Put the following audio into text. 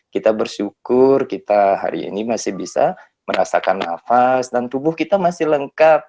kita bersyukur kita hari ini masih bisa merasakan nafas dan tubuh kita masih lengkap